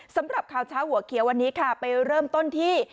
สำหรับข่าวเช้าหัวเขียววันนี้ค่ะไปเริ่มต้นที่